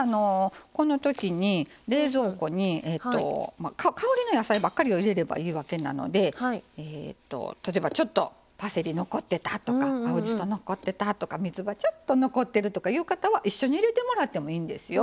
このときに冷蔵庫に香りのいい野菜ばかりを入れればいいわけなので例えばちょっとパセリ残ってたとか青じそ残ってたとかみつばちょっと残ってるとかいう方は一緒に入れてもらってもいいんですよ。